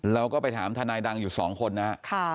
เราก็ไปถามทนายดังอยู่๒คนนะครับ